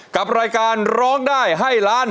กับรายการร้องได้ให้ล้าน